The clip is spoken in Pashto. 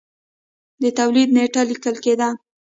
د تولید نېټه لیکل کېده.